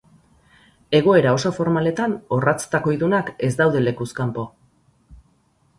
Egoera oso formaletan orratz-takoidunak ez daude lekuz kanpo.